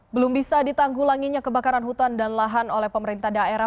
belum bisa ditanggulanginya kebakaran hutan dan lahan oleh pemerintah daerah